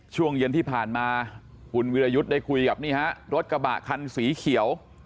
ช่วงเย็นที่ผ่านมาคุณวิรยุทธ์ได้คุยกับนี่ฮะรถกระบะคันสีเขียว